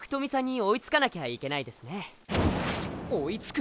追いつく⁉